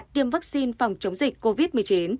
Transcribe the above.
tiêm vaccine phòng chống dịch covid một mươi chín